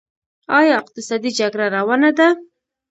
آیا اقتصادي جګړه روانه ده؟